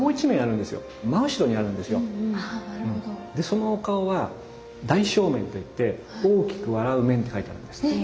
そのお顔は「大笑面」と言って大きく笑う面って書いてあるんです。